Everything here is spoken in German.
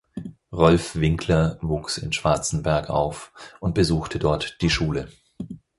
Rolf Winkler wuchs in Schwarzenberg auf und besuchte dort die Schule.